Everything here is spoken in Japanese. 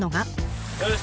よし！